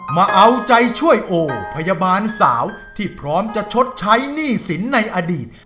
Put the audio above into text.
มาเอาใจช่วยโอพยาบาลสาวที่พร้อมจะชดใช้หนี้สินในอดีต